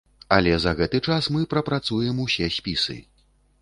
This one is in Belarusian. Але за гэты час мы прапрацуем усе спісы.